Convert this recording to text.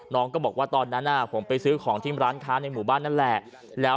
น้องก็บอกว่าตอนนั้นผมไปซื้อของที่ร้านค้าในหมู่บ้านนั่นแหละ